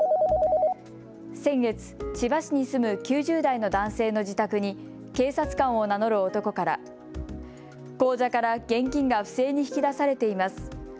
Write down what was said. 先月、千葉市に住む９０代の男性の自宅に警察官を名乗る男から口座から現金が不正に引き出されています。